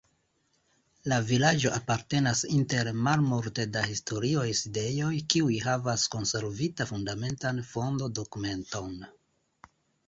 La vilaĝo apartenas inter malmulte da historiaj sidejoj, kiuj havas konservita fundamentan fondo-dokumenton.